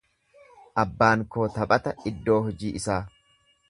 Abbaan koo taphata iddoo hojii isaa.